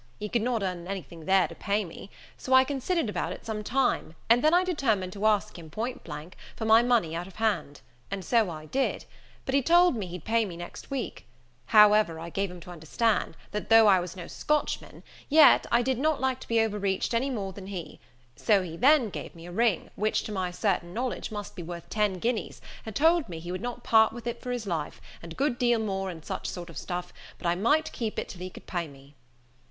he could not earn anything there to pay me: so I considered about it some time, and then I determined to ask him, point blank, for my money out of hand. And so I did; but he told me he'd pay me next week: however, I gave him to understand, that though I was no Scotchman, yet, I did not like to be over reached any more than he: so he then gave me a ring, which, to my certain knowledge, must be worth ten guineas, and told me he would not part with it for his life, and a good deal more such sort of stuff, but that I might keep it until he could pay me."